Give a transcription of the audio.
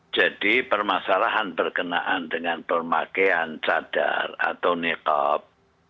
jadi permasalahan berkenaan dengan permakaian cadar atau niqab